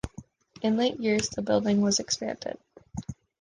In later years, the building was expanded.